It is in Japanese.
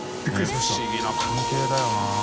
不思議な関係だよな。